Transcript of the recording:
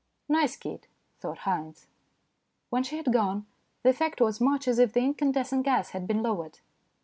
" Nice kid," thought Haynes. When she had gone, the effect was much as if the incandescent gas had been lowered.